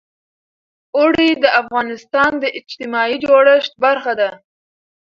اوړي د افغانستان د اجتماعي جوړښت برخه ده.